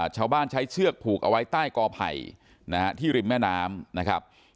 ใช้เชือกผูกเอาไว้ใต้กอไผ่นะฮะที่ริมแม่น้ำนะครับ